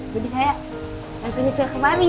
jadi saya langsung nyusul ke mari